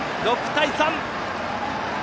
６対３！